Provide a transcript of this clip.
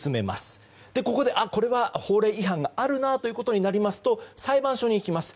ここで、これは法令違反があるなとなりますと裁判所に行きます。